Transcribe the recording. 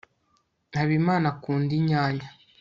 habimana akunda inyanya